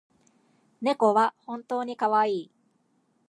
猫は本当にかわいい